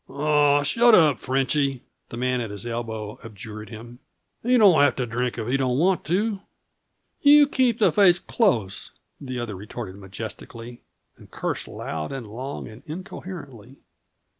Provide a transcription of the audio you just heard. "Aw, shut up, Frenchy," the man at his elbow abjured him. "He don't have to drink if he don't want to." "You keep the face close," the other retorted majestically; and cursed loud and long and incoherently.